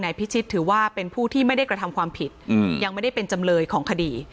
พิชิตถือว่าเป็นผู้ที่ไม่ได้กระทำความผิดยังไม่ได้เป็นจำเลยของคดี